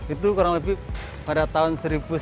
itu kurang lebih pada tahun seribu sembilan ratus sembilan puluh